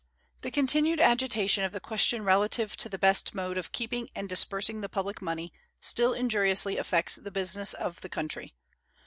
The continued agitation of the question relative to the best mode of keeping and disbursing the public money still injuriously affects the business of the country.